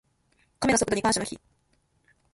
カメの速度に感謝の日。